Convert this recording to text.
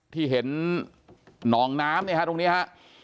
ที่เห็นหนองน้ำเนี่ยฮะตรงนี้ฮะ